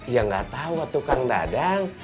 ya nggak tahu tukang dadang